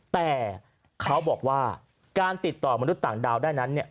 แต่เขาบอกว่าการติดต่อมนุษย์ต่างดาวได้นั้นเนี่ย